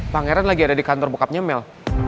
pangeran lagi ada di kantor bokapnya mel